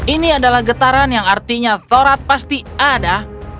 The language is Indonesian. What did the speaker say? ini adalah getaran yang artinya torat pasti ada